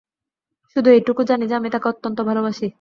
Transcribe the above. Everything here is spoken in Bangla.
শুধু এইটুকু জানি যে, আমি তাকে অত্যন্ত ভালবাসি।